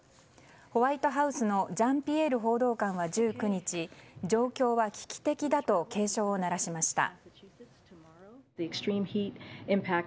ホワイトハウスのジャンピエール報道官は１９日状況は危機的だと警鐘を鳴らしました。